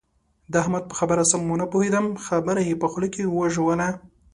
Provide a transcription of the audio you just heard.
د احمد په خبره سم و نه پوهېدم؛ خبره يې په خوله کې وژوله.